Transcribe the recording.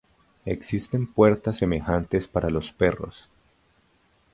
Existen puertas semejantes para los perros.